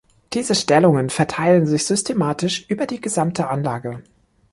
Diese Stellungen verteilen sich systematisch über die gesamte Anlage.